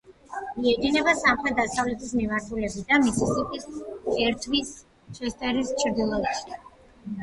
მიედინება სამხრეთ-დასავლეთის მიმართულებით და მისისიპის ერთვის ჩესტერის ჩრდილოეთით.